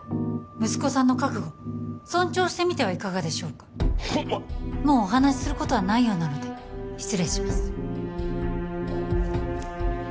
息子さんの覚悟尊重してみてはいかがでしょうかおまっもうお話しすることはないようなので失礼します